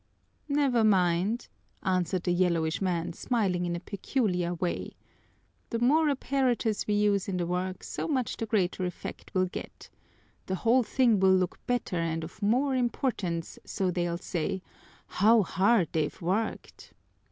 "Never mind!" answered the yellowish man, smiling in a peculiar way. "The more apparatus we use in the work, so much the greater effect we'll get. The whole thing will look better and of more importance, so they'll say, 'How hard they've worked!'